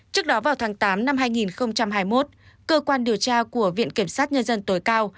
trước đó vào tháng tám năm hai nghìn hai mươi một cơ quan điều tra của viện kiểm sát nhân dân tối cao